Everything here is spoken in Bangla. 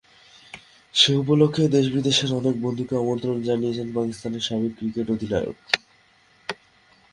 সে উপলক্ষে দেশ বিদেশের অনেক বন্ধুকে আমন্ত্রণ জানিয়েছেন পাকিস্তানের সাবেক ক্রিকেট অধিনায়ক।